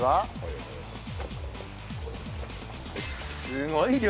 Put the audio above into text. すごい量！